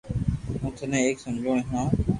ھون ٿني ايڪ سمجوڻي ھڻاوُ